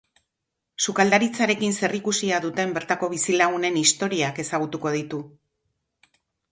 Sukaldaritzarekin zerikusia duten bertako bizilagunen historiak ezagutuko ditu.